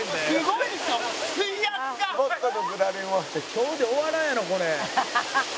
「今日で終わらんやろこれ」